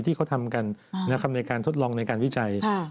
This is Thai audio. ที่เขาทำกันในการทดลองในการวิจัย